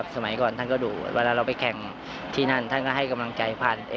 สมัยก่อนท่านก็ดูเวลาเราไปแข่งที่นั่นท่านก็ให้กำลังใจท่าน